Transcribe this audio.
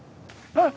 あっ！